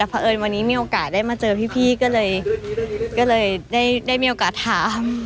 เพราะเอิญวันนี้มีโอกาสได้มาเจอพี่ก็เลยได้มีโอกาสถาม